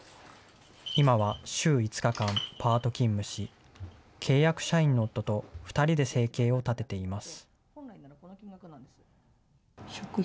今は週５日間、パート勤務し、契約社員の夫と２人で生計を立てています。